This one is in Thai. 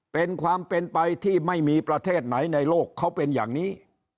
เป็นความเป็นไปที่ไม่มีประเทศไหนในโลกเขาเป็นอย่างนี้